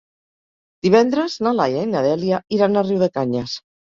Divendres na Laia i na Dèlia iran a Riudecanyes.